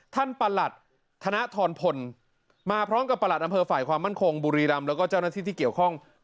ประหลัดธนทรพลมาพร้อมกับประหลัดอำเภอฝ่ายความมั่นคงบุรีรำแล้วก็เจ้าหน้าที่ที่เกี่ยวข้อง